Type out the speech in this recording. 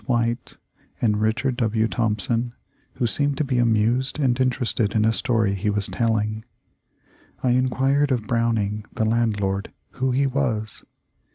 White, and Richard W. Thompson, who seemed to be amused and interested in a story he was telling. I enquired of Browning, the landlord, who he was.